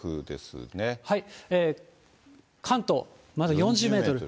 関東、まだ４０メートル。